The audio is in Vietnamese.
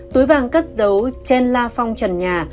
túi vàng cất dấu trên la phong trần nhà